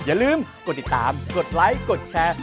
อย่าลืมกดติดตามกดไลค์กดแชร์